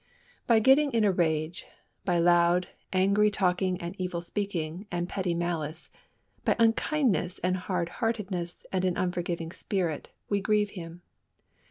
By getting in a rage, by loud, angry talking and evil speaking and petty malice, by unkindness and hard heartedness and an unforgiving spirit, we grieve Him.